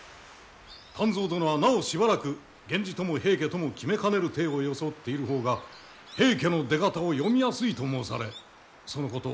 湛増殿はなおしばらく源氏とも平家とも決めかねる体を装っている方が平家の出方を読みやすいと申されそのこと含み置かれますようにと。